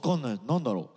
何だろう。